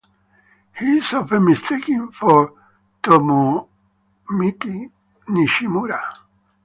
He is often mistaken for Tomomichi Nishimura.